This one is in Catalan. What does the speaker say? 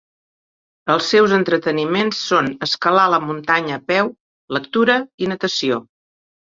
Els seus entreteniments són escalar la muntanya a peu, lectura i natació.